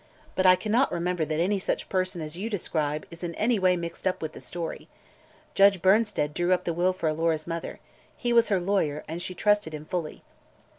But I cannot remember that any such person as you describe is in any way mixed up with the story. Judge Bernsted drew up the will for Alora's mother. He was her lawyer, and she trusted him fully."